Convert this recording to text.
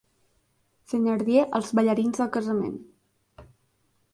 Thenardier als ballarins del casament.